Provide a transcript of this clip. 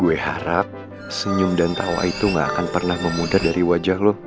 gue harap senyum dan tawa itu gak akan pernah memutar dari wajah lo